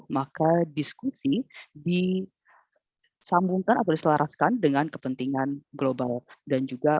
maka diskusi disambungkan atau diselaraskan dengan kepentingan global dan juga